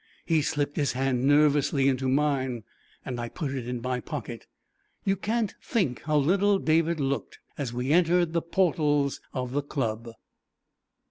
He slipped his hand nervously into mine, and I put it in my pocket. You can't think how little David looked as we entered the portals of the club.